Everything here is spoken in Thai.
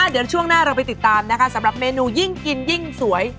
เดี๋ยวช่วงหน้าเราไปติดตามนะคะสำหรับเมนูยิ่งกินยิ่งสวย